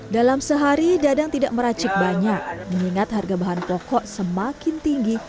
dalam sehari dadang tidak meracik banyak mengingat harga bahan pokok semakin tinggi